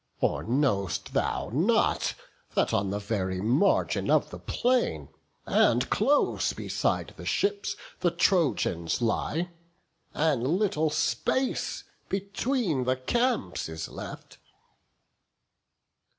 or know'st thou not That on the very margin of the plain, And close beside the ships the Trojans lie, And little space between the camps is left?"